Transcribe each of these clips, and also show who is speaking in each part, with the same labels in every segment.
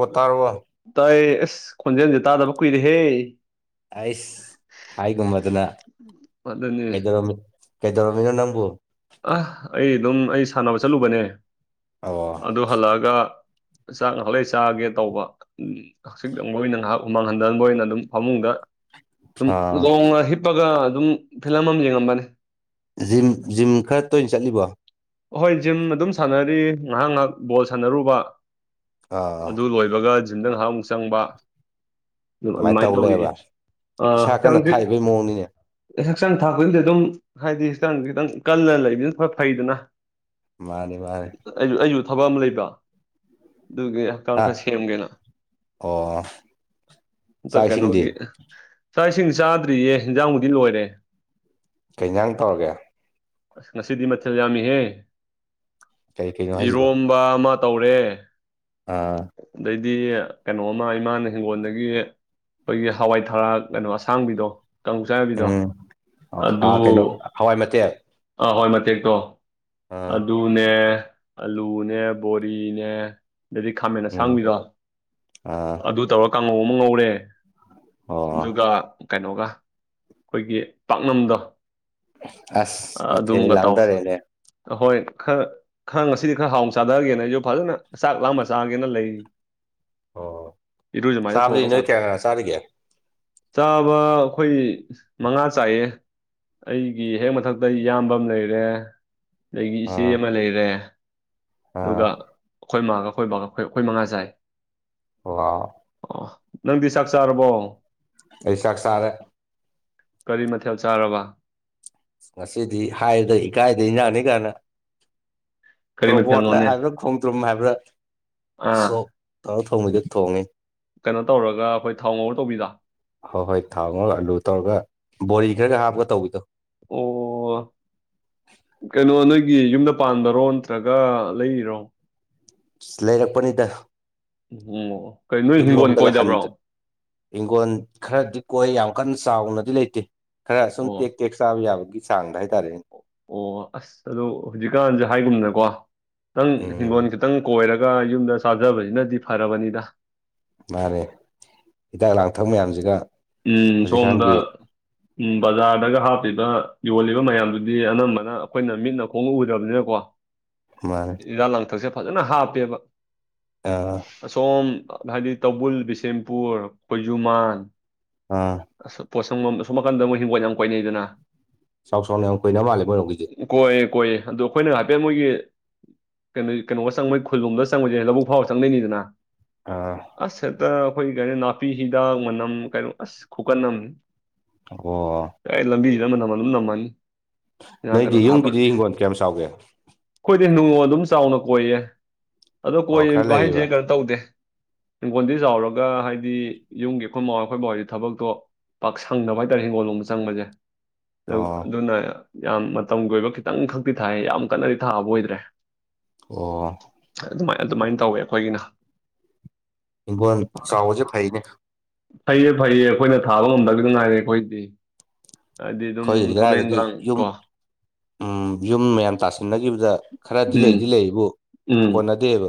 Speaker 1: ꯍꯣ ꯇꯔꯕꯣ
Speaker 2: ꯇꯥꯏꯌꯦ ꯑꯁ ꯈꯣꯟꯖꯦꯜꯁꯦ ꯇꯥꯗꯕ ꯀꯨꯏꯔꯦꯍꯦ
Speaker 1: ꯑꯩꯁ ꯍꯥꯏꯒꯨꯝꯃꯗꯅ
Speaker 2: ꯑꯗꯨꯅꯦ
Speaker 1: ꯀꯩꯗꯧꯔꯝꯃꯤ ꯀꯩꯗꯧꯔꯝꯃꯤꯅꯣ ꯅꯪꯕꯨ
Speaker 2: ꯑꯍ ꯑꯩ ꯑꯗꯨꯝ ꯑꯩ ꯁꯥꯟꯅꯕ ꯆꯠꯂꯨꯕꯅꯦ
Speaker 1: ꯑꯣ
Speaker 2: ꯑꯗꯨ ꯍꯜꯂꯛꯑꯒ ꯆꯥꯛꯅ ꯍꯣꯔꯦꯟ ꯆꯥꯒꯦ ꯇꯧꯕ ꯎꯝ [unintelligible] ꯑꯗꯨꯝ
Speaker 1: ꯑꯥ
Speaker 2: ꯂꯣꯡꯅ ꯍꯤꯞꯄꯒ ꯑꯗꯨꯝ ꯐꯤꯂꯝ ꯑꯃ ꯌꯦꯡꯉꯝꯕꯅꯦ
Speaker 1: ꯖꯤꯝ ꯖꯤꯝ ꯈꯔ ꯇꯣꯏꯅ ꯆꯠꯂꯤꯕꯣ
Speaker 2: ꯍꯣꯏ ꯖꯤꯝ ꯑꯗꯨꯝ ꯁꯥꯟꯅꯔꯤ ꯉꯥꯏꯍꯥꯛ ꯉꯥꯏꯍꯥꯛ ꯕꯣꯜ ꯁꯥꯟꯅꯔꯨꯕ
Speaker 1: ꯑꯥ
Speaker 2: ꯑꯗꯨ ꯂꯣꯏꯕꯒ ꯖꯤꯝꯗ ꯉꯥꯏꯍꯥꯛ ꯑꯃꯨꯛ ꯆꯪꯕ ꯑꯥ
Speaker 1: ꯇꯧ
Speaker 2: ꯑꯗꯨꯃꯥꯏꯅ ꯇꯧꯔꯤꯌꯦ
Speaker 1: ꯂꯩꯔꯕ
Speaker 2: ꯑꯥ
Speaker 1: ꯏꯁꯥ ꯀꯟꯅ ꯊꯥꯛꯏꯕꯩ ꯃꯑꯣꯡꯅꯤꯅꯦ
Speaker 2: [unintelligible] ꯑꯦ ꯍꯛꯆꯥꯡ ꯊꯥꯛꯄꯗꯨꯗꯤ ꯑꯗꯨꯝ ꯍꯥꯏꯗꯤ ꯍꯛꯆꯥꯡ ꯈꯤꯇꯪ ꯀꯜꯂ ꯂꯩꯕꯅꯤꯅ ꯈꯔ ꯐꯩꯗꯅ
Speaker 1: ꯃꯥꯅ‌ꯦ ꯃꯥꯅ‌ꯦ
Speaker 2: ꯑꯩ ꯑꯩꯁꯨ ꯊꯕꯛ ꯑꯃ ꯂꯩꯕ ꯑꯗꯨꯒꯤ ꯀꯥꯡ
Speaker 1: ꯍꯥ
Speaker 2: ꯈꯔ ꯁꯦꯝꯒꯦꯅ
Speaker 1: ꯑꯣ
Speaker 2: ꯍꯟꯇꯛ
Speaker 1: ꯆꯥꯛ ꯏꯁꯤꯡꯗꯤ
Speaker 2: ꯀꯩꯅꯣꯒꯤ ꯆꯥꯛ ꯏꯁꯤꯡ ꯆꯥꯗ꯭ꯔꯤꯌꯦ ꯍꯦꯟꯖꯥꯡꯕꯨꯨꯗꯤ ꯂꯣꯏꯔꯦ
Speaker 1: ꯀꯩ ꯑꯦꯟꯖꯥꯡ ꯇꯧꯔꯒꯦ
Speaker 2: ꯑꯁ ꯉꯁꯤꯗꯤ ꯃꯊꯦꯜ ꯌꯥꯝꯃꯤꯍꯦ
Speaker 1: ꯀꯩ ꯀꯩꯅꯣ ꯍꯥꯏꯁꯤꯕꯣ
Speaker 2: ꯏꯔꯣꯝꯕ ꯑꯃ ꯇꯧꯔꯦ
Speaker 1: ꯑꯥ꯫
Speaker 2: ꯑꯗꯩꯗꯤ ꯀꯩꯅꯣꯝ ꯑꯃ ꯏꯃꯥꯅ ꯍꯤꯡꯒꯣꯜꯗꯒꯤ ꯑꯩꯈꯣꯏꯒꯤ ꯍꯋꯥꯏ ꯊꯔꯥꯛ ꯀꯩꯅꯣ ꯑꯁꯥꯡꯕꯤꯗꯣ ꯀꯥꯡꯉꯧ ꯆꯥ ꯌꯥꯕꯤꯗꯣ
Speaker 1: ꯎꯝ
Speaker 2: ꯑꯗꯨ
Speaker 1: ꯑꯥ ꯀꯩꯅꯣ ꯍꯋꯥꯏ ꯃꯇꯦꯛ
Speaker 2: ꯑꯥ ꯍꯥꯋꯥꯏ ꯃꯇꯦꯛꯇꯣ
Speaker 1: ꯑꯥ
Speaker 2: ꯑꯗꯨ ꯗꯨꯅꯦ ꯑꯂꯨꯅꯦ ꯕꯣꯔꯤꯅꯦ ꯑꯗꯩꯗꯤ ꯈꯥꯃꯦꯟ
Speaker 1: ꯎꯝ
Speaker 2: ꯑꯁꯥꯡꯕꯤꯗꯣ
Speaker 1: ꯑꯥ
Speaker 2: ꯑꯗꯨ ꯇꯧꯔ ꯀꯥꯡꯉꯧ ꯑꯃ ꯉꯧꯔꯦ
Speaker 1: ꯑꯣ
Speaker 2: ꯑꯗꯨꯒ ꯀꯩꯅꯣꯒ ꯑꯩꯈꯣꯏꯒꯤ ꯄꯥꯛꯅꯝꯗꯣ
Speaker 1: ꯑꯁ ꯃꯊꯦꯜꯗꯤ
Speaker 2: ꯑꯗꯨꯝꯒ ꯇꯧ
Speaker 1: ꯂꯥꯡꯊꯔꯦꯅꯦ
Speaker 2: ꯑꯍꯣꯏ ꯈꯔ ꯈꯔ ꯉꯁꯤꯗꯤ ꯈꯔ ꯍꯥꯎꯅ ꯆꯥꯗꯒꯦꯅ ꯑꯩꯁꯨ ꯐꯖꯅ ꯆꯥꯛ ꯂꯥꯝꯃ ꯆꯥꯒꯦꯅ ꯂꯩ
Speaker 1: ꯑꯣ
Speaker 2: ꯏꯔꯨꯖꯃꯥꯏꯅ ꯊꯣꯛꯑꯒ
Speaker 1: ꯆꯥꯕꯗꯤ ꯅꯣꯏ
Speaker 2: ꯆꯥꯊꯣꯛ
Speaker 1: ꯀꯌꯥ ꯀꯅꯥꯅꯥ ꯆꯥꯔꯤꯒꯦ
Speaker 2: ꯆꯥꯕ ꯑꯩꯈꯣꯏ ꯃꯉꯥ ꯆꯥꯏꯌꯦ ꯑꯩꯒꯤ ꯍꯦꯛ ꯃꯊꯛ ꯇ ꯏꯌꯥꯝꯕ ꯑꯝ ꯂꯩꯔꯦ ꯑꯗꯒꯤ ꯏꯆꯦ
Speaker 1: ꯑꯥ
Speaker 2: ꯑꯃ ꯂꯩꯔꯦ
Speaker 1: ꯑꯥ
Speaker 2: ꯑꯗꯨꯒ ꯑꯩꯈꯣꯏ ꯃꯥꯥꯒ ꯑꯩꯈꯣꯏ ꯕꯥꯒ ꯑꯩꯈꯣꯏ ꯑꯩꯈꯣꯏ ꯃꯉꯥ ꯆꯥꯏ
Speaker 1: [unintelligible]
Speaker 2: ꯑꯣ ꯅꯪꯗꯤ ꯆꯥꯛ ꯆꯥꯔꯕꯣ
Speaker 1: ꯑꯩ ꯆꯥꯛ ꯆꯥꯔꯦ
Speaker 2: ꯀꯔꯤ ꯃꯊꯦꯜ ꯆꯥꯔꯕ
Speaker 1: ꯉꯁꯤꯗꯤ ꯍꯥꯏꯕꯗ ꯏꯀꯥꯏꯗ ꯑꯦꯟꯖꯥꯡꯅꯦ ꯀꯥꯏꯅ
Speaker 2: ꯀꯔꯤ
Speaker 1: ꯇ‌ꯣꯔꯣꯕꯣꯠ ꯂ
Speaker 2: ꯃꯊꯦꯜꯅꯣꯅꯦ
Speaker 1: ꯍꯥꯏꯕ꯭ꯔꯥ ꯈꯣꯡꯗ꯭ꯔꯨꯝ ꯍꯥꯏꯕ꯭ꯔꯥ
Speaker 2: ꯑꯥ
Speaker 1: ꯁꯣꯛ ꯇꯧꯔ ꯊꯣꯡꯕꯤꯗ‌ꯣ ꯊꯣꯡꯉ‌ꯦ
Speaker 2: ꯀꯩꯅꯣ ꯇꯧꯔꯒ ꯑꯩꯈꯣꯏ ꯊꯥꯎ ꯉꯧꯔ ꯇꯧꯕꯤꯗ‌ꯣ
Speaker 1: ꯍꯣꯏ ꯍꯣꯏ ꯊꯥꯎ ꯉꯧꯔꯒ ꯑꯂꯨ ꯇꯧꯔꯒ ꯕꯣꯔꯤ ꯈꯔꯒ ꯍꯥꯞꯄꯒ ꯇꯧꯕꯤꯗꯣ
Speaker 2: ꯑꯣ ꯀꯩꯅꯣ ꯅꯣꯏꯒꯤ ꯌꯨꯝꯗ ꯄꯥꯟꯕꯔꯣ ꯅꯠꯇ꯭ꯔꯒ ꯂꯩꯔꯤꯔꯣ
Speaker 1: ꯂꯩꯔꯛꯄꯅꯤꯗ
Speaker 2: ꯎꯝ ꯀꯔꯤ ꯅꯣꯏ ꯍꯤꯡꯒꯣꯜ ꯀꯣꯏꯗꯕ꯭ꯔꯣ
Speaker 1: ꯍꯤꯡꯒꯣꯟ ꯈꯔꯗꯤ ꯀꯣꯏ ꯌꯥꯝ ꯀꯟꯅ ꯆꯥꯎꯅꯗꯤ ꯂꯩꯇꯦ ꯈꯔ ꯁꯨꯝ ꯇꯦꯛ
Speaker 2: ꯑꯣ
Speaker 1: ꯇꯦꯛ ꯆꯥꯕ ꯌꯥꯕꯒꯤ ꯆꯥꯡꯗ ꯍꯥꯏꯇꯥꯔꯦꯅꯦ
Speaker 2: ꯑꯣ ꯑꯁ ꯑꯗꯣ ꯍꯧꯖꯤꯛꯀꯥꯟꯁꯦ ꯍꯥꯏꯒꯨꯝꯅꯀꯣ ꯈꯤꯇꯪ
Speaker 1: ꯎꯝ
Speaker 2: ꯍꯤꯡꯒꯣꯟ ꯈꯤ ꯇꯪ ꯀꯣꯏꯔꯒ ꯌꯨꯝꯗ ꯆꯥꯖꯕꯁꯤꯅꯗꯤ ꯐꯔꯕꯅꯤꯗ
Speaker 1: ꯃꯥꯅꯦ ꯍꯤꯗꯥꯛ ꯂꯥꯡꯊꯛ ꯃꯌꯥꯝꯁꯤꯒ
Speaker 2: ꯎꯝ ꯁꯣꯝꯗ
Speaker 1: ꯍꯧꯖꯤꯛꯀꯥꯟꯒꯤ
Speaker 2: ꯎꯝ ꯕꯖꯥꯔꯗꯒ ꯍꯥꯞꯄꯤꯕ ꯌꯣꯜꯂꯤꯕ ꯃꯌꯥꯝꯗꯨꯗꯤ ꯑꯅꯝꯕꯅ ꯑꯩꯈꯣꯏꯅ ꯃꯤꯠꯅ ꯈꯣꯡꯅ ꯎꯗꯝꯅꯤꯅꯀꯣ
Speaker 1: ꯃꯥꯅꯦ
Speaker 2: ꯍꯤꯗꯥꯛ ꯂꯥꯡꯊꯛꯁꯦ ꯐꯖꯅ ꯍꯥꯞꯄꯦꯕ
Speaker 1: ꯑ
Speaker 2: ꯑꯁꯣꯝ ꯍꯥꯏꯗꯤ ꯇꯧꯕꯨꯜ ꯕꯤꯁꯦꯝꯄꯨꯔ ꯈꯣꯏꯖꯨꯃꯥꯟ
Speaker 1: ꯑꯥ
Speaker 2: ꯑꯁ ꯄꯣꯠꯁꯪꯕꯝ ꯑꯁ‌‌ꯣꯝ ꯅꯥꯀꯟꯗ ꯃꯣꯏ ꯍꯤꯡꯒꯣꯜ ꯌꯥꯝ ꯀꯣꯏꯅꯩ ꯗꯅ
Speaker 1: ꯆꯥꯎ ꯆꯥꯎꯅ ꯌꯥꯝ ꯀ‌‌ꯣꯏꯅ ꯃꯥꯜꯂꯦ ꯃ‌ꯣꯏꯔ‌ꯣꯝ ꯒꯤꯗꯤ
Speaker 2: ꯀꯣꯏꯌꯦ ꯀꯣꯏꯌꯦ ꯑꯗꯣ ꯑꯩꯈꯣꯏꯅ ꯍꯥꯏꯐꯦꯠ ꯃꯣꯏꯒꯤ ꯀꯩꯅꯣꯒꯤ ꯀꯩꯅꯣ ꯒ ꯆꯪꯕꯩ ꯈꯨꯜꯂꯣꯝꯗ ꯆꯪꯕꯖ‌ꯦ ꯂꯧꯕꯛ ꯐꯥꯎꯔ ꯆꯪꯗꯣꯏꯅꯤꯗꯅ
Speaker 1: ꯑꯥ
Speaker 2: ꯑꯥꯁ ꯍꯦꯛꯇ ꯑꯩꯈꯣꯏ ꯀꯩꯅꯣ ꯅꯥꯄꯤ ꯍꯤꯗꯥꯛ ꯃꯅꯝ ꯀꯩꯅꯣ ꯑꯁ ꯈꯨꯀꯟ ꯑꯃꯅꯤ
Speaker 1: ꯑꯣ
Speaker 2: ꯂꯝꯕꯤꯖꯤꯗ ꯃꯅꯝ ꯑꯗꯨꯝ ꯅꯝꯃꯅꯤ [unintelligible] ꯀꯩꯅꯣ
Speaker 1: ꯅꯣꯏꯗꯤ
Speaker 2: ꯗ ꯍꯥꯞ
Speaker 1: ꯌꯨꯝꯒꯤꯗꯤ ꯍꯤꯡꯒꯣꯜ ꯀꯌꯥꯝ ꯆꯥꯎꯒꯦ
Speaker 2: ꯑꯩꯈꯣꯏꯗꯤ ꯅꯣꯡ ꯑꯗꯨꯝ ꯆꯥꯎꯅ ꯀꯣꯏꯌꯦ ꯑꯗꯣ
Speaker 1: ꯑꯣ
Speaker 2: ꯀꯣꯏ
Speaker 1: ꯈꯔ
Speaker 2: ꯕ
Speaker 1: ꯂꯩꯌꯦꯕ
Speaker 2: ꯍꯥꯏꯖ‌ꯦ ꯀꯩꯅꯣ ꯇꯧꯗꯦ ꯍꯤꯡꯒꯣꯟꯗꯤ ꯆꯥꯎꯔꯒ ꯍꯥꯏꯗꯤ ꯌꯨꯝꯒꯤ ꯑꯩꯈꯣꯏ ꯃꯥꯥꯍ‌ꯣꯏ ꯑꯩꯈꯣꯏ ꯕꯥꯍ‌ꯣꯏ ꯊꯕꯛꯇꯣ ꯄꯥꯛ ꯁꯪꯗꯕ ꯍꯥꯏꯇꯥꯔꯦ ꯍꯤꯡꯒꯣꯜ ꯂꯣꯝꯕ ꯆꯪꯕꯖ‌ꯦ
Speaker 1: ꯑꯣ
Speaker 2: ꯑꯗꯨꯅ ꯌꯥꯝ ꯃꯇꯝꯒꯤ ꯑꯣꯏꯕ ꯈꯤꯇꯪ ꯈꯛꯇꯤ ꯊꯥꯏ ꯌꯥꯝ ꯀꯟꯅꯗꯤ ꯊꯥꯕ ꯑꯣꯏꯗ꯭ꯔꯦ
Speaker 1: ꯑꯣ
Speaker 2: ꯑꯗꯨꯃꯥꯏ ꯑꯗꯨꯃꯥꯏꯅ ꯇꯧꯋꯦ ꯑꯩꯈꯣꯏꯒꯤꯅ
Speaker 1: ꯍꯤꯡꯒ‌ꯣꯟ ꯆꯥꯎꯕꯖ‌ꯦ ꯐꯩꯅꯦ
Speaker 2: ꯐꯩꯌꯦ ꯐꯩꯌꯦ ꯑꯩꯈꯣꯏꯅ ꯊꯥꯕ ꯉꯝꯗꯕꯖꯤ ꯗꯪꯉꯥꯏꯔꯦ ꯑꯩꯈꯣꯏꯗꯤ ꯍꯥꯏꯗꯤ ꯑꯗꯨꯝ
Speaker 1: ꯑꯩꯈꯣꯏꯒꯤꯗꯤ
Speaker 2: ꯊꯕꯛ
Speaker 1: ꯀꯥꯏꯗꯒꯤ
Speaker 2: ꯏꯟꯈꯥꯡ
Speaker 1: ꯌꯨꯝ
Speaker 2: ꯀꯣ
Speaker 1: ꯎꯝ ꯌꯨꯝ ꯃꯌꯥꯝ ꯇꯥꯁꯤꯟꯅꯒꯤꯕꯗ ꯈꯔꯗꯤ
Speaker 2: ꯎꯝ
Speaker 1: ꯂꯩꯗꯤ ꯂꯩꯌ‌ꯦꯕꯨ
Speaker 2: ꯎꯝ
Speaker 1: ꯀꯣꯟꯅꯗꯦꯕ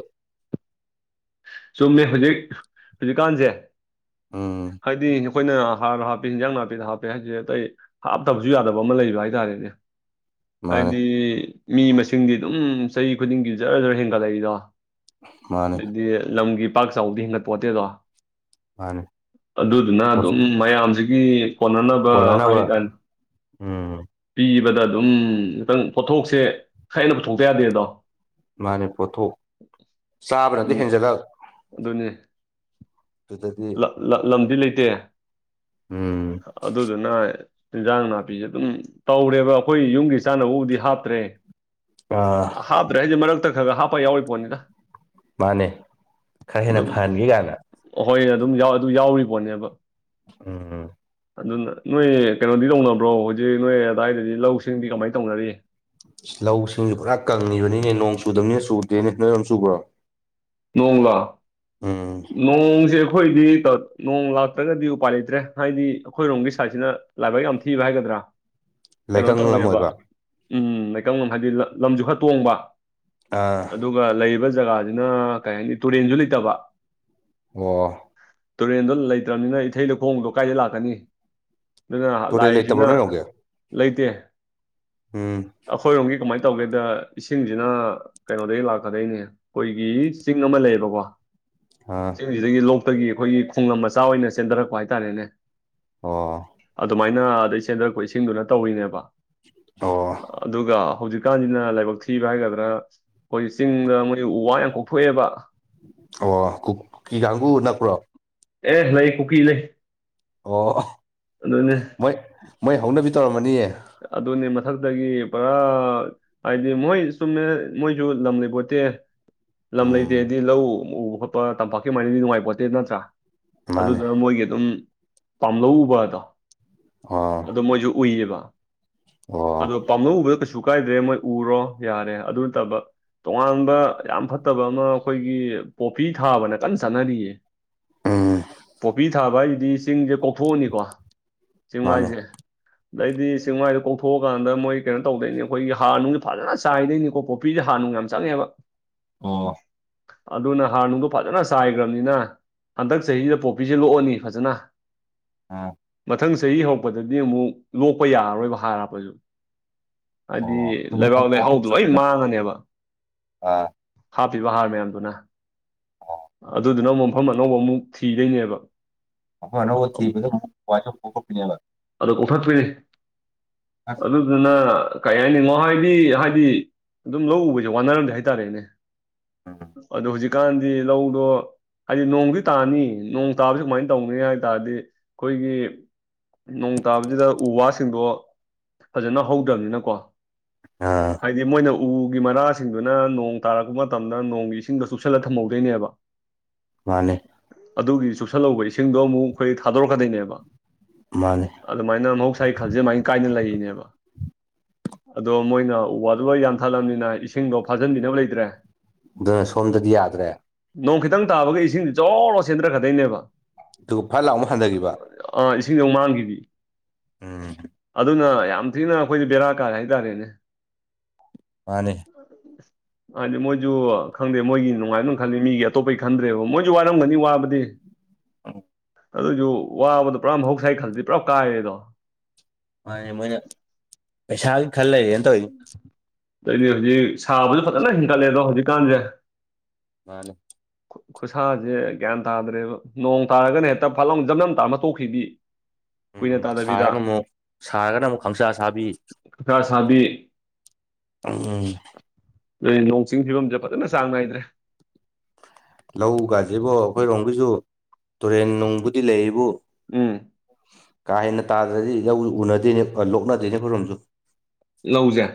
Speaker 2: ꯆꯨꯝꯃꯦ ꯍꯧꯖꯤꯛ ꯍꯧꯖꯤꯛꯀꯥꯟꯖ‌ꯦ
Speaker 1: ꯎꯝ
Speaker 2: ꯍꯥꯏꯗꯤ ꯑꯩꯈꯣꯏꯅ ꯍꯥꯔ ꯍꯥꯞꯄꯤ ꯍꯤꯟꯖꯥꯡ ꯅꯥꯄꯤꯗ ꯍꯥꯞꯄꯄꯤ ꯍꯥꯏꯁꯦ ꯑꯇꯩ ꯍꯥꯞꯇꯕꯁꯨ ꯌꯥꯗꯕ ꯑꯃ ꯂꯩꯕ ꯍꯥꯏꯇꯥꯔꯦꯅꯦ
Speaker 1: ꯃꯥꯅꯦ
Speaker 2: ꯍꯥꯏꯗꯤ ꯃꯤ ꯃꯁꯤꯡꯗꯤ ꯑꯗꯨꯝ ꯆꯍꯤ ꯈꯨꯗꯤꯡꯒꯤ ꯖꯔ ꯖꯔ ꯍꯦꯟꯒꯠꯂꯛꯏꯗꯣ
Speaker 1: ꯃꯥꯅꯦ
Speaker 2: ꯑꯗꯩꯗꯤ ꯂꯝꯒꯤ ꯄꯥꯛ ꯆꯥꯎꯕꯗꯤ ꯍꯦꯟꯒꯠ ꯄ‌ꯣꯠꯇ‌ꯦ‌ꯗꯣ
Speaker 1: ꯃꯥꯅꯦ
Speaker 2: ꯑꯗꯨꯗꯨꯅ ꯑꯗꯨꯝ ꯃꯌꯥꯝꯖꯤꯒꯤ ꯀꯣꯟꯅꯅꯕ ꯍꯥꯏ
Speaker 1: ꯀꯣꯟꯅꯅꯕ
Speaker 2: ꯀꯅ
Speaker 1: ꯎꯝ
Speaker 2: ꯄꯤꯕꯗ ꯑꯗꯨꯝ ꯈꯤꯇꯪ ꯄꯣꯠꯊꯣꯛꯁꯦ ꯈꯍ‌ꯦꯟꯅ ꯄꯨꯊꯣꯛꯇ ꯌꯥꯗꯦꯗꯣ
Speaker 1: ꯃꯥꯅꯦ ꯄꯣꯠꯊꯣꯛ ꯆꯥꯕꯅꯗꯤ ꯍꯦꯟꯖꯜꯂꯛ
Speaker 2: ꯑꯗꯨꯅꯦ
Speaker 1: ꯑꯗꯨꯗ ꯗꯤ
Speaker 2: ꯂ ꯂ ꯂꯝꯗꯤ ꯂꯩꯇꯦ
Speaker 1: ꯎꯝ
Speaker 2: ꯑꯗꯨꯗꯨꯅ ꯏꯟꯖꯥꯡ ꯅꯥꯄꯤꯖ‌ꯦ ꯑꯗꯨꯝ ꯇꯧꯔꯦꯕ ꯑꯩꯈꯣꯏ ꯌꯨꯝꯒꯤ ꯆꯥꯅꯕꯕꯨꯗꯤ ꯍꯥꯞꯇ꯭ꯔꯦ
Speaker 1: ꯑ
Speaker 2: ꯍꯥꯞꯇ꯭ꯔꯦ ꯍꯥꯏꯁꯦ ꯃꯔꯛꯇ ꯈꯔ ꯈ ꯍꯥꯞꯄ ꯌꯥꯎꯔꯤ ꯄꯣꯠꯅꯤꯗ
Speaker 1: ꯃꯥꯅꯦ ꯈꯔ ꯍꯦꯟꯅ
Speaker 2: ꯑꯗꯨꯝ
Speaker 1: ꯐꯍꯟꯒꯦ ꯒꯥꯏꯅ
Speaker 2: ꯍꯣꯏ ꯑꯗꯨꯝ ꯌꯥꯎꯔꯤ ꯑꯗꯨ ꯌꯥꯎꯔꯤꯄꯣꯠꯅꯦꯕ
Speaker 1: ꯎꯝ
Speaker 2: ꯑꯗꯨꯅ ꯅꯣꯏ ꯀꯩꯅꯣꯗꯤ ꯇꯧꯅꯕ꯭ꯔꯣ ꯍꯧꯖꯤꯛ ꯅꯣꯏ ꯑꯗꯥꯏꯗꯗꯤ ꯂꯧꯁꯤꯡꯗꯤ ꯀꯃꯥꯏ ꯇꯧꯅꯔꯤ
Speaker 1: ꯂꯧꯁꯤꯡꯁꯤ ꯄꯨꯔꯥ ꯀꯪꯉꯤꯕꯅꯤꯅꯦ ꯅꯣꯡ ꯆꯨꯗꯕꯅꯤꯅ ꯆꯨꯗꯦꯅꯦ ꯅꯣꯏꯔꯣꯝ ꯆꯨꯕ꯭ꯔꯣ
Speaker 2: ꯅꯣꯡꯂꯥ
Speaker 1: ꯎꯝ
Speaker 2: ꯅꯣꯡꯁꯦ ꯑꯩꯈꯣꯏꯗꯤ ꯅꯣꯡ ꯂꯥꯛꯇ꯭ꯔꯒꯗꯤ ꯎꯄꯥꯏ ꯂꯩꯇ꯭ꯔꯦ ꯍꯥꯏꯗꯤ ꯑꯩꯈꯣꯏꯔꯣꯝꯒꯤ ꯁꯥꯏꯠꯁꯤꯅ ꯂꯥꯏꯕꯛ ꯌꯥꯝ ꯊꯤꯕ ꯍꯥꯏꯒꯗ꯭ꯔꯥ ꯀꯩꯅꯣ
Speaker 1: ꯂꯩꯀꯪ ꯂꯝ
Speaker 2: ꯇꯧꯋꯦꯕ
Speaker 1: ꯑꯣꯏꯕ
Speaker 2: ꯎꯝ ꯂꯩꯀꯪ ꯃꯝ ꯍꯥꯏꯕꯗꯤ ꯂꯝꯖꯨ ꯈꯔ ꯇꯣꯡꯕ
Speaker 1: ꯑꯥ
Speaker 2: ꯑꯗꯨꯒ ꯂꯩꯔꯤꯕ ꯖꯒꯥꯁꯤꯅ ꯀꯩ ꯍꯥꯏꯅꯤ ꯇꯨꯔꯦꯟꯁꯨ ꯂꯩꯇꯕ
Speaker 1: ꯑꯣ
Speaker 2: ꯇꯨꯔꯦꯟꯗꯣ ꯂꯩꯇ꯭ꯔꯕꯅꯤꯅ ꯏꯊꯩ ꯂꯧꯈꯣꯡꯗꯣ ꯀꯥꯏꯗꯩ ꯂꯥꯛꯀꯅꯤ ꯑꯗꯨꯅ
Speaker 1: ꯇꯨꯔꯦꯜ ꯂꯩꯇꯕ꯭ꯔꯣ
Speaker 2: ꯂꯥꯛꯏꯖꯤꯅ
Speaker 1: ꯅꯣꯏꯔꯣꯝꯒꯤ
Speaker 2: ꯂꯩꯇꯦ
Speaker 1: ꯎꯝ
Speaker 2: ꯑꯩꯈꯣꯏꯔꯣꯝꯒꯤ ꯀꯃꯥꯏꯅ ꯇꯧꯒꯦꯗ ꯏꯁꯤꯡꯁꯤꯅ ꯀꯩꯅꯣꯗꯒꯤ ꯂꯥꯛꯀꯗꯣꯏꯅꯦ ꯑꯩꯈꯣꯏꯒꯤ ꯆꯤꯡ ꯑꯃ ꯂꯩꯌꯦꯕꯀꯣkk
Speaker 1: ꯑꯥ
Speaker 2: ꯁꯤꯗꯒꯤ ꯂꯣꯛꯇꯒꯤ ꯑꯩꯈꯣꯏꯒꯤ ꯈꯣꯂꯝ ꯃꯆꯥ ꯑꯣꯏꯅ ꯆꯦꯟꯊꯔꯛꯄ ꯍꯥꯏꯇꯥꯔꯦꯅꯦ
Speaker 1: ꯑꯣ
Speaker 2: ꯑꯗꯨꯃꯥꯏꯅ ꯅ ꯑꯗꯩ ꯆꯦꯟꯗꯔꯛꯄ ꯏꯁꯤꯡꯗꯨꯅ ꯇꯧꯔꯤꯅꯦꯕ
Speaker 1: ꯑꯣ
Speaker 2: ꯑꯗꯨꯒ ꯍꯧꯖꯤꯛꯀꯥꯟꯁꯤꯅ ꯂꯥꯏꯕꯛ ꯊꯤꯕ ꯍꯥꯏꯒꯗ꯭ꯔꯥ ꯑꯩꯈꯣꯏ ꯆꯤꯡꯗ ꯃꯣꯏ ꯎ ꯋꯥ ꯌꯥꯝ ꯀꯣꯛ ꯊꯣꯛꯑꯦꯕ
Speaker 1: ꯑꯣ ꯀꯨꯀꯤ ꯀꯥꯡꯕꯨ ꯅꯛꯄ꯭ꯔꯣ
Speaker 2: ꯑꯦ ꯂꯩ ꯀꯨꯀꯤ ꯂꯩ
Speaker 1: ꯑꯣ
Speaker 2: ꯑꯗꯨꯅꯦ
Speaker 1: ꯃꯣꯏ ꯃꯣꯏ ꯍꯧꯅꯕꯤ ꯇꯧꯔꯝꯃꯅꯤꯌꯦ
Speaker 2: ꯑꯗꯨꯅꯦ ꯃꯊꯛꯇꯒꯤ ꯄꯨꯔꯥ ꯍꯥꯏꯗꯤ ꯃꯣꯏ ꯆꯨꯝꯃꯦ ꯃꯣꯏꯁꯨ ꯂꯝ ꯂꯩꯄꯣꯠꯇꯦ ꯂꯝ
Speaker 1: ꯎꯝ
Speaker 2: ꯂꯩꯇꯦꯗꯤ ꯂꯧ ꯎꯕ ꯈꯣꯠꯄ ꯇꯝꯄꯥꯛꯀꯤ ꯃꯥꯏꯗꯤ ꯅꯨꯡꯉꯥꯏꯄꯣꯠꯇꯦ ꯅꯠꯇ꯭ꯔꯥ
Speaker 1: ꯃꯥꯅꯦ
Speaker 2: ꯑꯗꯨꯗꯨꯅ ꯃꯣꯏꯒꯤ ꯑꯗꯨꯝ ꯄꯥꯝꯂꯧ ꯎꯕꯗꯣ
Speaker 1: ꯑꯣ
Speaker 2: ꯑꯗꯨ ꯃꯣꯏꯁꯨ ꯎꯏꯌꯦꯕ
Speaker 1: ꯑꯣ
Speaker 2: ꯑꯗꯣ ꯄꯥꯝꯅꯧ ꯎꯕꯗꯨ ꯀꯩꯁꯨ ꯀꯥꯏꯗ꯭ꯔꯦ ꯃꯣꯏ ꯎꯔꯣ ꯌꯥꯔꯦ ꯑꯗꯨ ꯅꯠꯇꯕ ꯇꯣꯉꯥꯟꯕ ꯌꯥꯝ ꯐꯠꯇꯕ ꯑꯃ ꯑꯩꯈꯣꯏꯒꯤ ꯄꯣꯄꯤ ꯊꯥꯕꯅ ꯀꯟꯅ ꯆꯠꯅꯔꯤꯌꯦ
Speaker 1: ꯎꯝ
Speaker 2: ꯄꯣꯄꯤ ꯊꯥꯕ ꯍꯥꯏꯁꯤꯗꯤ ꯆꯤꯡꯁꯦ ꯀꯣꯛꯊꯣꯛꯑꯅꯤꯀꯣ
Speaker 1: ꯃꯥꯅꯦ
Speaker 2: ꯆꯤꯡꯃꯥꯏꯁꯦ ꯑꯗꯩꯗꯤ ꯆꯤꯡ ꯃꯥꯏꯗꯣ ꯀꯣꯛꯊꯣꯛꯑꯀꯥꯟꯗ ꯃꯣꯏ ꯀꯩꯅꯣ ꯇꯧꯗꯣꯏꯅꯤ ꯑꯩꯈꯣꯏꯒꯤ ꯍꯥꯔ ꯅꯨꯡꯁꯦ ꯐꯖꯅ ꯆꯥꯏꯗꯣꯏꯅꯤꯀꯣ ꯄꯣꯄꯤꯁꯦ ꯍꯥꯔ ꯅꯨꯡ ꯌꯥꯝ ꯆꯪꯉꯦꯕ
Speaker 1: ꯑꯣ
Speaker 2: ꯑꯗꯨꯅ ꯍꯥꯔ ꯅꯨꯡꯗꯣ ꯐꯖꯅ ꯆꯥꯏꯈ꯭ꯔꯕꯅꯤꯅ ꯍꯟꯗꯛ ꯆꯍꯤꯖꯤꯗ ꯄꯣꯛꯄꯤꯁꯦ ꯂꯣꯛꯑꯅꯤ ꯐꯖꯅ
Speaker 1: ꯑꯥ
Speaker 2: ꯃꯊꯪ ꯆꯍꯤ ꯍꯧꯔꯛꯄꯗꯗꯤ ꯑꯃꯨꯛ ꯂꯣꯛꯄ ꯌꯥꯔꯔꯣꯏꯕ ꯍꯥꯔ ꯍꯥꯞꯄꯁꯨ ꯍꯥꯏꯗꯤ
Speaker 1: ꯑꯣ ꯑꯗꯨ
Speaker 2: ꯂꯩꯕꯥꯛ
Speaker 1: ꯍꯣꯡꯇꯣꯛ ꯑꯃꯨꯛ
Speaker 2: ꯂꯩꯍꯥꯎꯗꯣ ꯂꯣꯏ
Speaker 1: ꯆꯠꯇꯣꯏꯔ
Speaker 2: ꯃꯥꯡꯉꯅꯦꯕ
Speaker 1: ꯑꯥ
Speaker 2: ꯍꯥꯞꯄꯤꯕ ꯍꯥꯔ ꯃꯌꯥꯝꯗꯨꯅ ꯑꯗꯨꯗꯨꯅ ꯑꯃꯨꯛ ꯃꯐꯝ ꯑꯅꯧꯕꯃꯨꯛ ꯊꯤꯗꯣꯏꯅꯦꯕ
Speaker 1: ꯑꯩꯈꯣꯏ ꯑꯅꯧꯕ ꯊꯤꯕꯗ ꯄꯣꯛꯊꯣꯛꯄꯤꯅꯦꯕ
Speaker 2: ꯑꯣ ꯀꯣꯛꯊꯠꯄꯤ
Speaker 1: ꯑꯁ
Speaker 2: ꯑꯗꯨꯗꯨꯅ ꯀꯩ ꯍꯥꯏꯅꯤ ꯉꯣ ꯍꯥꯏꯗꯤ ꯍꯥꯏꯗꯤ ꯑꯗꯨꯝ ꯂꯧ ꯎꯕꯁꯦ ꯋꯥꯅꯔꯝꯗꯦ ꯍꯥꯏꯇꯥꯔꯦꯅꯦ
Speaker 1: ꯎꯝ
Speaker 2: ꯑꯗꯣ ꯍꯧꯖꯤꯛꯀꯥꯟꯗꯤ ꯂꯧꯗꯣ ꯍꯥꯏꯗꯤ ꯅꯣꯡꯗꯤ ꯇꯥꯅꯤ ꯅꯣꯡ ꯇꯥꯕꯁꯤ ꯀꯃꯥꯏꯅ ꯇꯧꯅꯤ ꯍꯥꯏ ꯇꯥꯔꯗꯤ ꯑꯩꯈꯣꯏꯒꯤ ꯅꯣꯡ ꯇꯥꯕꯁꯤꯗ ꯎ ꯋꯥꯁꯤꯡꯗꯣ ꯐꯖꯅ ꯍꯧꯗ꯭ꯔꯕꯅꯤꯅꯀꯣ
Speaker 1: ꯑꯥ
Speaker 2: ꯍꯥꯏꯗꯤ ꯃꯣꯏꯅ ꯎꯒꯤ ꯃꯔꯥꯁꯤꯡꯗꯨꯅ ꯅꯣꯡ ꯇꯥꯔꯛꯄ ꯃꯇꯝꯗ ꯅꯣꯡꯒꯤ ꯏꯁꯤꯡꯗꯣ ꯆꯨꯞꯁꯜꯂ ꯊꯝꯍꯧꯗꯣꯏꯅꯦꯕ
Speaker 1: ꯃꯥꯅꯦ
Speaker 2: ꯑꯗꯨꯒꯤ ꯆꯨꯞꯁꯜꯍꯧꯕ ꯏꯁꯤꯡꯗꯣ ꯑꯃꯨꯛ ꯑꯩꯈꯣꯏ ꯊꯥꯗꯣꯔꯛꯀꯗꯣꯏꯅꯦꯕ
Speaker 1: ꯃꯥꯅꯦ
Speaker 2: ꯑꯗꯨꯃꯥꯏꯅ ꯃꯍꯧꯁꯥꯒꯤ ꯈꯜꯁꯦ ꯑꯗꯨꯃꯥꯏꯅ ꯀꯥꯏꯅ ꯂꯩꯔꯤꯅꯦꯕ ꯑꯗꯣ ꯃꯣꯏꯅ ꯎ ꯋꯥꯗꯨ ꯂꫭꯏ ꯌꯥꯟꯊꯠꯂꯕꯅꯤꯅ ꯏꯁꯤꯡꯗꯣ ꯐꯥꯖꯤꯟꯕꯤꯅꯕ ꯂꯩꯇ꯭ꯔꯦ
Speaker 1: ꯗ ꯁꯣꯝꯗꯗꯤ ꯌꯥꯗ꯭ꯔꯦ
Speaker 2: ꯅꯣꯡ ꯈꯤꯇꯪ ꯇꯥꯕꯒ ꯏꯁꯤꯡꯗꯤ ꯖꯣ ꯁꯦꯟꯊꯔꯛꯀꯗꫭꯏꯅꯦꯕ
Speaker 1: ꯑꯗꯨꯒ ꯐꯠ ꯂꯥꯎꯨ ꯍꯟꯊꯈꯤꯕ
Speaker 2: ꯑ ꯏꯁꯤꯡꯗꯧ ꯃꯥꯡꯈꯤꯕ
Speaker 1: ꯎꯝ
Speaker 2: ꯑꯗꯨꯅ ꯌꯥꯝ ꯍꯧꯖꯤꯛꯅ ꯑꯩꯈꯣꯏꯗꯤ ꯕꯦꯔꯥ ꯀꯥꯔ ꯍꯥꯏꯇꯥꯔꯦꯅꯦ
Speaker 1: ꯃꯥꯅꯦ
Speaker 2: ꯍꯥꯏꯗꯤ ꯃꯣꯏꯁꯨ ꯈꯪꯗꯦ ꯃꯣꯏꯒꯤ ꯅꯨꯡꯉꯥꯏ ꯑꯗꯨꯝ ꯈꯜꯂꯤ ꯃꯤꯒꯤ ꯑꯇꯣꯞꯄꯒꯤ ꯈꯟꯗ꯭ꯔꯦꯕ ꯃꯣꯏꯁꯨ ꯋꯥꯔꯝꯒꯅꯤ ꯋꯥꯕꯗꯤ ꯑꯦ
Speaker 1: ꯑꯎ
Speaker 2: ꯑꯗꯨꯁꯨ ꯋꯥꯕꯗꯣ ꯄꯨꯔꯥ ꯃꯍꯧ ꯁꯥꯏ ꯈꯜꯂꯗꯤ ꯄꯨꯔꯥ ꯀꯥꯏꯔꯦꯗꯣ
Speaker 1: ꯃꯥꯅꯦ ꯃꯣꯏꯅ ꯄꯩꯁꯥꯒꯤ ꯈꯜ ꯂꯩꯔꯦꯅ ꯇꯧꯔꯤꯅꯦ
Speaker 2: ꯑꯩꯅꯦ ꯍꯧꯖꯤꯛ ꯁꯥꯕꯁꯨ ꯐꯖꯅ ꯍꯦꯟꯒꯠꯂꯦ ꯑꯗꯣ ꯍꯧꯖꯤꯛꯀꯥꯟꯁꯦ
Speaker 1: ꯃꯥꯅꯦ
Speaker 2: ꯈꯨꯠꯁꯥꯁꯦ ꯒ꯭ꯌꯥꯟ ꯇꯥꯗ꯭ꯔꯦꯕ ꯅꯣꯡ ꯇꯥꯔꯒꯅ ꯍꯦꯛꯇ ꯐꯠꯂꯥꯎ ꯖꯝꯅꯝ ꯇꯥꯔꯝꯃ ꯇꯣꯛꯈꯤꯗꯤ
Speaker 1: ꯎꯝ ꯁꯥꯔꯒꯅ ꯑꯃꯨꯛ ꯁꯥꯔꯒꯅ ꯑꯃꯨꯛ ꯈꯪꯁꯥ ꯁꯥꯕꯤ
Speaker 2: ꯀꯀꯥ ꯁꯥꯕꯤ
Speaker 1: ꯎꯝ
Speaker 2: ꯅꯦ ꯅꯣꯡ ꯆꯤꯡꯒꯤ ꯐꯤꯕꯝꯁꯦ ꯐꯖꯅ ꯆꯥꯡ ꯅꯥꯏꯗ꯭ꯔꯦ
Speaker 1: ꯂꯧꯒꯁꯤꯕꯣ ꯑꯩꯈꯣꯏꯔꯣꯝꯒꯤꯁꯨ ꯇꯨꯔꯦꯟ ꯅꯨꯡꯕꯨꯗꯤ ꯂꯩꯕꯨ
Speaker 2: ꯎꯝ
Speaker 1: ꯀꯥ ꯍꯦꯟꯅ ꯇꯥꯗ꯭ꯔꯗꯤ ꯂꯧꯁꯨ ꯎꯅꯗꯦꯅꯦ ꯂꯣꯛꯅꯗꯦꯅꯦ ꯑꯩꯈꯣꯏꯔꯣꯝꯁꯨ
Speaker 2: ꯂꯧꯖꯦ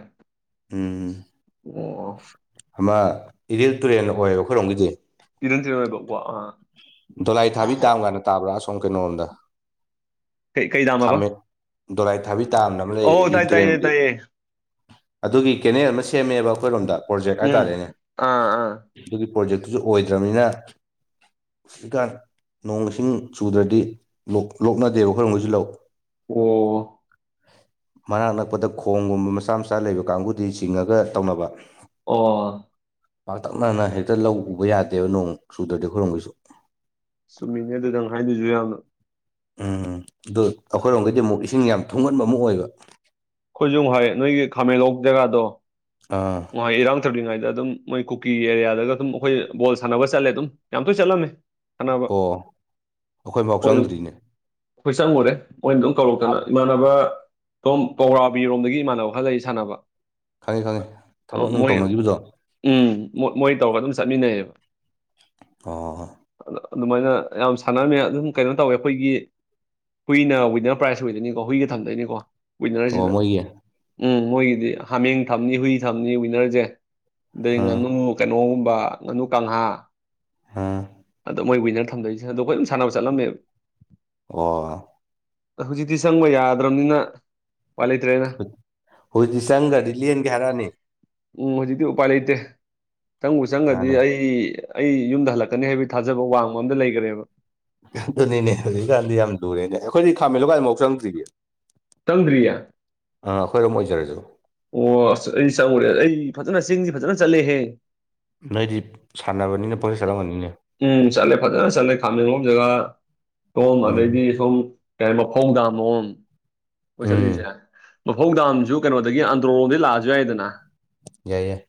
Speaker 1: ꯎꯝ
Speaker 2: ꯑꯣ ꯑꯣ
Speaker 1: ꯑꯃ ꯏꯔꯤꯜ ꯇꯨꯔꯦꯜ ꯑꯣꯏꯌꯦꯕ ꯑꯩꯈꯣꯏꯔꯣꯝꯒꯤꯗꯤ
Speaker 2: ꯏꯔꯟꯗꯤꯔꯣꯏꯕ ꯋꯥ ꯑ
Speaker 1: ꯗꯣꯂꯥꯏ ꯊꯥꯕꯤ ꯗꯥꯝ ꯀꯥꯏꯅ ꯇꯥꯕ꯭ꯔꯥ ꯑꯁꯣꯝ ꯀꯩꯅꯣꯝꯗ
Speaker 2: ꯀꯩ ꯀꯩ ꯗꯥꯝ ꯍꯥꯏꯕ
Speaker 1: ꯗꯣꯔꯥꯏ ꯊꯥꯕꯤ ꯇꯥꯝꯅ ꯑꯃ ꯂꯩꯌꯦꯕ ꯏꯔꯤꯜ
Speaker 2: ꯇꯥꯏ ꯇꯥꯏꯌꯦ
Speaker 1: ꯇꯨꯔꯦꯟꯒꯤ
Speaker 2: ꯇꯥꯏꯌꯦ
Speaker 1: ꯑꯗꯨꯒꯤ ꯀꯦꯅꯦꯜ ꯑꯃ ꯁꯦꯝꯃꯦꯕ ꯑꯩꯈꯣꯏꯔꯣꯝꯗ ꯄ꯭ꯔꯣꯖꯦꯛ
Speaker 2: ꯎꯝ
Speaker 1: ꯍꯥꯏꯇꯥꯔꯦꯅꯦ
Speaker 2: ꯑꯥ ꯑꯥ
Speaker 1: ꯑꯗꯨꯒꯤ ꯄ꯭ꯔꯣꯖꯦꯛꯇꯨꯁꯨ ꯑꯣꯏꯗ꯭ꯔꯕꯅꯤꯅ ꯍꯧꯖꯤꯛꯀꯥꯟ ꯅꯣꯡ ꯏꯁꯤꯡ ꯆꯨꯗ꯭ꯔꯗꯤ ꯂꫭꯛ ꯂꯣꯛꯅꯗꯦꯕ ꯑꯩꯈꯣꯏꯔꫭꯝꯒꯤꯁꯨ ꯂꯧ
Speaker 2: ꯑꯣ
Speaker 1: ꯃꯅꯥꯛ ꯅꯛꯄꯗ ꯈꯣꯡꯒꯨꯝꯕ ꯃꯆꯥ ꯃꯆꯥ ꯂꯩꯕ ꯀꯥꯡꯕꯨꯗꯤ ꯆꯤꯡꯉꯒ ꯇꯧꯅꯕ
Speaker 2: ꯑꯣ
Speaker 1: ꯄꯥꯛꯇꯛꯅꯅ ꯍꯦꯛꯇ ꯂꯧ ꯎꯕ ꯌꯥꯗꯦꯕ ꯅꯣꯡ ꯆꯨꯗ꯭ꯔꯗꯤ ꯑꯩꯈꯣꯏꯔꫭꯝꯒꯤꯁꯨ
Speaker 2: ꯆꯨꯝꯃꯤꯅꯦ ꯑꯗꯨ ꯅꯪ ꯍꯥꯏꯗꯣꯏꯁꯨ ꯌꯥꯝꯅ
Speaker 1: ꯎꯝ ꯑꯗꯨ ꯑꯩꯈꯣꯏꯔꯣꯝꯗꯩꯗꯤ ꯑꯃꯨꯛ ꯏꯁꯤꯡ ꯌꯥꯝ ꯊꯨꯡꯍꯟꯕ ꯑꯃꯨꯛ ꯑꯣꯏꯕ
Speaker 2: ꯑꯩꯈꯣꯏꯁꯨ ꯑꯃꯨꯛ ꯍꯥꯏꯑꯦ ꯅꯣꯏꯒꯤ ꯈꯥꯃꯦꯟ ꯍꯧꯕ ꯖꯒꯥꯗꯣ
Speaker 1: ꯑꯥ
Speaker 2: ꯉꯣꯏ ꯏꯔꯥꯡ ꯊꯧꯂꯤꯉꯩꯗ ꯑꯗꯨꯝ ꯃꯣꯏ ꯀꯨꯀꯤ ꯑꯦꯔꯤꯌꯥꯗꯒ ꯑꯗꯨꯝ ꯑꯩꯈꯣꯏ ꯕꯣꯜ ꯁꯥꯟꯅꯕ ꯆꯠꯂꯦ ꯑꯗꯨꯝ ꯌꯥꯝ ꯇꯣꯏ ꯆꯠꯂꯝꯃꯦ ꯁꯥꯟꯅꯕ
Speaker 1: ꯑꯣ ꯑꯩꯈꯣꯏꯐꯥꯎ
Speaker 2: ꯍꯣꯏ ꯑꯗꯨꯝ
Speaker 1: ꯆꯪꯗ꯭ꯔꯤꯅꯦ
Speaker 2: ꯆꯪꯉꯨꯔꯦ ꯃꯣꯏ ꯑꯗꯨꯝ ꯀꯧꯔꯛꯇꯅ
Speaker 1: ꯑꯞ
Speaker 2: ꯏꯃꯥꯟꯅꯕ ꯁꯣꯝ ꯄꯧꯔꯥꯕꯤꯔꯣꯝꯗꯒꯤ ꯏꯃꯥꯟꯅꯕ ꯈꯔ ꯂꯩ ꯁꯥꯟꯅꯕ
Speaker 1: ꯈꯪꯉꯤ ꯈꯪꯉꯤ
Speaker 2: ꯎꯨꯝ ꯃꯣꯏ ꯎꯨꯝ ꯃꯣꯏ ꯇꯧꯔꯒ ꯑꯗꯨꯝ ꯆꯠꯃꯤꯟꯅꯩꯌꯦꯕ
Speaker 1: ꯍꯣ ꯍꯣ ꯍꯣ
Speaker 2: ꯑꯗ ꯑꯗꯨꯃꯥꯏꯅ ꯌꯥꯝ ꯁꯥꯟꯅꯔꯝꯃꯦ ꯑꯗꯨꯝ ꯀꯩꯅꯣ ꯇꯧꯋꯦ ꯑꯩꯈꯣꯏꯒꯤ ꯍꯨꯏꯅ ꯋꯤꯟꯅꯔ ꯄ꯭ꯔꯥꯏꯖ ꯑꯣꯏꯗꯣꯏꯅꯤꯀꫭ ꯍꯨꯏꯒ ꯊꯝꯗꯣꯏꯅꯤꯀꯣ
Speaker 1: ꯑꯣ
Speaker 2: ꯋꯤꯟꯅꯔꯁꯤꯗ
Speaker 1: ꯃꯣꯏꯒꯤ
Speaker 2: ꯎꯝ ꯃꯣꯏꯒꯤꯗꯤ ꯍꯥꯃꯦꯡ ꯊꯝꯅꯤ ꯍꯨꯏ ꯊꯝꯅꯤ ꯋꯤꯟꯅꯔꯁꯦ ꯑꯗꯩ
Speaker 1: ꯑꯥ
Speaker 2: ꯉꯥꯅꯨ ꯀꯩꯅꯣꯒꯨꯝꯕ ꯉꯥꯅꯨ ꯀꯥꯡꯍꯥ
Speaker 1: ꯑꯥ
Speaker 2: ꯑꯥꯗꯨ ꯃꯣꯏ ꯋꯤꯅꯔ ꯊꯝꯗꯣꯏꯁꯤ ꯑꯗꯨ ꯑꯩꯈꯣꯏ ꯑꯗꯨꯝ ꯁꯥꯟꯅꯕ ꯆꯠꯂꯝꯃꯦꯕ
Speaker 1: ꯑꯣ
Speaker 2: ꯍꯧꯖꯤꯛꯇꯤ ꯆꯪꯕ ꯌꯥꯗ꯭ꯔꯕꯅꯤꯅ ꯎꯄꯥꯏ ꯂꯩꯇ꯭ꯔꯦꯗꯅ
Speaker 1: ꯍꯧꯖꯤꯛꯇꯤ ꯆꯪꯒ꯭ꯔꯗꯤ ꯂꯦꯟꯒꯦ ꯍꯥꯏꯔꯛꯑꯅꯤ
Speaker 2: ꯎꯨꯝ ꯍꯧꯖꯤꯛꯇꯤ ꯎꯄꯥꯏ ꯂꯩꯇꯦ ꯆꯪꯕꯨ ꯆꯪꯉꯗꯤ
Speaker 1: ꯃꯥꯅꯦ
Speaker 2: ꯑꯩ ꯑꯩ ꯌꯨꯝꯗ ꯍꯜꯂꯛꯀꯅꯤ ꯍꯥꯏꯕꯒꯤ ꯊꯥꯖꯕ ꯋꯥꯡꯃ ꯑꯝꯗ ꯂꯩꯒ꯭ꯔꯦꯕ
Speaker 1: ꯑꯗꯨꯅꯤꯅꯦ ꯍꯧꯖꯤꯛꯀꯥꯟꯗꯤ ꯌꯥꯝ ꯂꯨꯔꯦꯅꯦ ꯑꯩꯈꯣꯏꯗꯤ ꯈꯥꯃꯦꯟꯂꯣꯛꯀꯥꯏꯗꯣ ꯑꯝꯐꯥꯎ ꯆꯪꯗ꯭ꯔꯤꯅꯦ
Speaker 2: ꯆꯪꯗ꯭ꯔꯤꯌꯦ
Speaker 1: ꯑꯥ ꯑꯩꯈꯣꯏꯔꯣꯝ ꯑꯣꯏꯖꯔꯁꯨ
Speaker 2: ꯑꯣ ꯑꯁ ꯑꯩꯗꯤ ꯆꯪꯉꯨꯔꯦ ꯑꯩ ꯐꯖꯅ ꯆꯤꯡꯁꯤ ꯐꯖꯅ ꯆꯠꯂꯦꯍꯦ
Speaker 1: ꯅꯣꯏꯗꯤ ꯁꯥꯟꯅꯕꯅꯤꯅ ꯄꯣꯆꯠ ꯆꯠꯂꯝꯒꯅꯤꯅꯦ
Speaker 2: ꯎꯨꯝ ꯆꯠꯂꯦ ꯐꯖꯅ ꯆꯠꯂꯦ ꯈꯥꯃꯦꯟꯂꯣꯛ ꯖꯒꯥ ꯁꯣꯝ
Speaker 1: ꯎꯝ
Speaker 2: ꯑꯗꯩꯗꯤ ꯁꯣꯝ ꯀꯔꯤ ꯃꯐꯧꯗꯥꯝ ꯂꯣꯝ ꯈꯣꯏ
Speaker 1: ꯎꯝ
Speaker 2: ꯆꯠꯂꯤꯁꯦ ꯃꯐꯧ ꯗꯥꯝꯁꯨ ꯀꯩꯅꯣꯗꯒꯤ ꯑꯟꯗ꯭ꯔꯣꯔꯣꯝꯗꯒꯤ ꯂꯥꯛꯑꯁꯨ ꯌꯥꯏꯗꯅ
Speaker 1: ꯌꯥꯏ ꯌꯥꯏ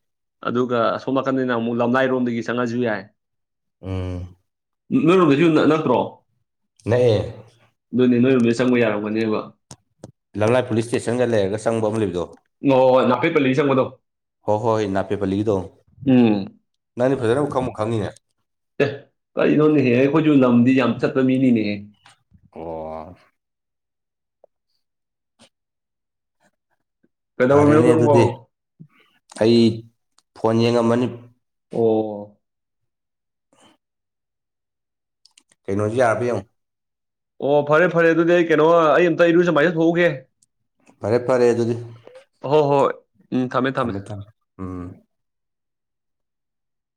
Speaker 2: ꯑꯗꯨꯒ ꯑꯁꯣꯝ ꯅꯥꯀꯟꯗꯩꯅ ꯑꯃꯨꯛ ꯂꯝꯂꯥꯏꯔꯣꯝꯗꯒꯤ ꯆꯪꯉꯁꯨ ꯌꯥꯏ
Speaker 1: ꯎꯨꯝ
Speaker 2: ꯅꯣꯏ ꯔꯣꯝꯗꯁꯨ ꯅꯠꯇ꯭ꯔꯣ
Speaker 1: ꯅꯛꯑꯦ
Speaker 2: ꯑꯗꯨꯅꯤ ꯅꯣꯏꯔꯣꯝꯗꯩ ꯆꯪꯕ ꯌꯥꯔꯝꯒꯅꯦꯕ
Speaker 1: ꯂꯝꯂꯥꯏ ꯄꯨꯂꯤꯁ ꯏꯁ꯭ꯇꯦꯁꯟꯒ ꯂꯩꯔꯒ ꯆꯪꯕ ꯑꯃ ꯂꯩꯕꯗꯣ
Speaker 2: ꯑꯣ ꯑꯣ ꯅꯥꯐꯦꯠꯄꯂꯤ ꯆꯪꯕꯗꯣ
Speaker 1: ꯍꯣꯏ ꯍꯣꯏ ꯅꯥꯄꯦꯠ ꯄꯜꯂꯤꯒꯤꯗꯣ
Speaker 2: ꯎꯝ
Speaker 1: ꯅꯪꯗꯤ ꯐꯖꯅꯕꯨ ꯈꯪꯕꯨ ꯈꯪꯉꯤꯅꯦ
Speaker 2: ꯑꯦ ꯀꯔꯤꯅꯣꯅꯦꯍꯦ ꯑꯩꯈꯣꯏꯁꯨ ꯂꯝꯗꯤ ꯌꯥꯝ ꯆꯠꯄ ꯃꯤꯅꯤꯅꯦꯍꯦ
Speaker 1: ꯑꯣ
Speaker 2: ꯀꯩꯗꯧꯔꯝꯃꯤꯅꯣ
Speaker 1: ꯐꯔꯦꯅꯦ
Speaker 2: ꯅꯪꯕꯣ
Speaker 1: ꯑꯗꯨꯗꯤ ꯑꯩ ꯐꯣꯟ ꯌꯦꯡꯉꯝꯕꯅꯤ
Speaker 2: ꯑꯣ
Speaker 1: ꯀꯩꯅꯣꯁꯨ ꯌꯥꯔꯕ ꯌꯦꯡꯉꯨ
Speaker 2: ꯑꯣ ꯐꯔꯦ ꯐꯔꯦ ꯑꯗꯨꯗꯤ ꯀꯩꯅꯣ ꯑꯩ ꯑꯝꯇ ꯏꯔꯨꯖꯥ ꯃꯥꯏꯖ ꯊꯣꯛꯎꯒꯦ
Speaker 1: ꯐꯔꯦ ꯐꯔꯦ ꯑꯗꯨꯗꯤ
Speaker 2: ꯍꯣ ꯍꯣꯏ
Speaker 1: ꯊꯝꯃꯦ ꯊꯝꯃꯦ ꯎꯨꯝ ꯎꯨꯝ